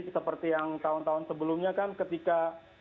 seperti yang tahun tahun sebelumnya kan ketika